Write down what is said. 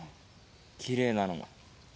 きれいなの。